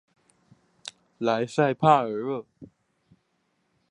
莱塞帕尔热。